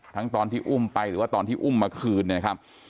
ตอนที่อุ้มไปหรือว่าตอนที่อุ้มมาคืนนะครับ